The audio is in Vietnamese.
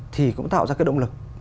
thì cũng tạo ra cái động lực